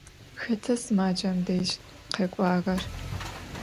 Xeta sımacem dej khek'uağer?